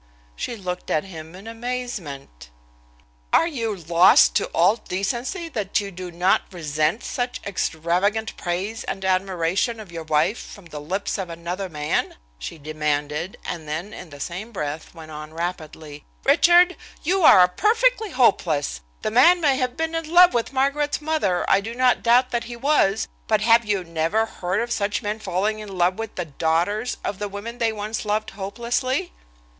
She looked at him in amazement. "Are you lost to all decency that you do not resent such extravagant praise and admiration of your wife from the lips of another man?" she demanded, and then in the same breath went on rapidly: "Richard, you are perfectly hopeless! The man may have been in love with Margaret's mother, I do not doubt that he was, but have you never heard of such men falling in love with the daughters of the women they once loved hopelessly?"